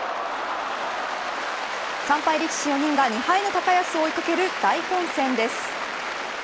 ３敗力士４人が２敗の高安を追いかける大混戦です。